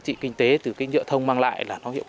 cái dùng thì dùng nó ít rồi